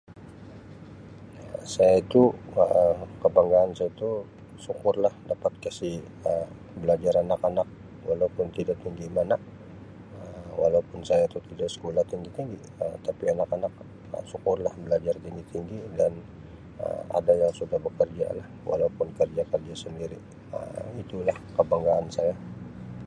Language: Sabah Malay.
Um Saya itu Um kebanggaan saya itu syukur lah dapat kasi Um belajar anak-anak walaupun tidak tinggi mana Um walaupun saya tu tidak sekolah tinggi-tinggi Um tapi anak-anak syukur lah belajar tinggi-tinggi dan Um ada yang sudah bekerja lah walaupun kerja-kerja sendiri Um itu lah kebanggaan saya.